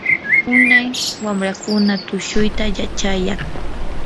unay wamrakuna tushuyta yachayaq.